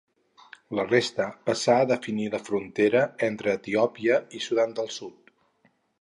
La resta passà a definir la frontera entre Etiòpia i Sudan del Sud.